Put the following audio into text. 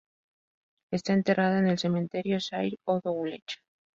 Está enterrada en el cementerio Zahir o-dowleh.